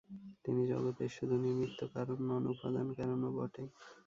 তিনি জগতের শুধু নিমিত্ত-কারণ নন, উপাদান-কারণও বটে।